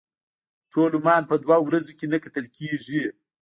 ټول عمان په دوه ورځو کې نه کتل کېږي.